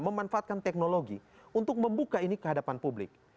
memanfaatkan teknologi untuk membuka ini ke hadapan publik